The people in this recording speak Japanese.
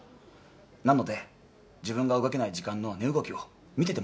なので自分が動けない時間の値動きを見ててもらえませんか？